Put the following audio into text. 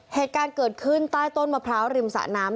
เหตุการณ์เกิดขึ้นใต้ต้นมะพร้าวริมสะน้ำ